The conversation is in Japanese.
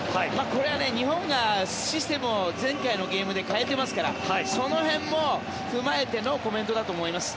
これは日本がシステムを前回のゲームで変えてますからその辺も踏まえてのコメントだと思います。